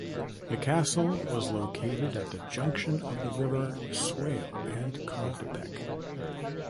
The castle was located at the junction of the River Swale and Cod Beck.